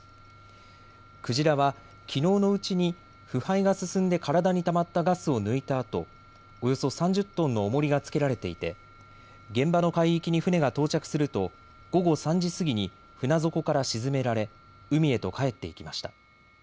クジラはきのうのうちに腐敗が進んで体にたまったガスを抜いたあと、およそ３０トンのおもりがつけられていて現場の海域に船が到着すると午後３時過ぎに船底から沈められ海へとかえっていきました。